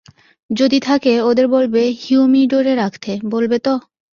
যদি থাকে, ওদের বলবে হিউমিডোরে রাখতে, বলবে তো?